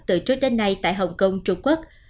từ trước đến nay tại hồng kông trung quốc